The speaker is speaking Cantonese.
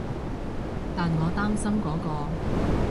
但我擔心嗰個